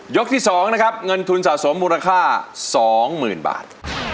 ที่๒นะครับเงินทุนสะสมมูลค่า๒๐๐๐บาท